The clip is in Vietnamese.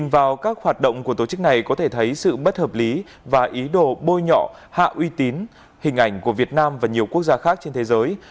vào các hoạt động của tổ chức này có thể thấy sự bất hợp lý và ý đồ bôi nhọ hạ uy tín hình ảnh của việt nam và nhiều quốc gia khác trên thế giới